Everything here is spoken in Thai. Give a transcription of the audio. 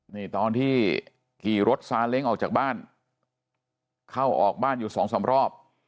นี่ตอนที่ขี่รถซาเล้งออกจากบ้านเข้าออกบ้านอยู่สองสามรอบ